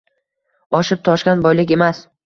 Oshib-toshgan boylik emas